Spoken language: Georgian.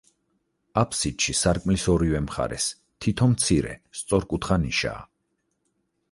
აფსიდში, სარკმლის ორივე მხარეს, თითო მცირე, სწორკუთხა ნიშაა.